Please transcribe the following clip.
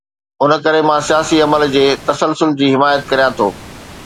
ان ڪري مان سياسي عمل جي تسلسل جي حمايت ڪريان ٿو.